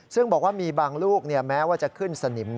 ซึ่งบอกว่ามีบางลูกแม้ว่าจะขึ้นสนิม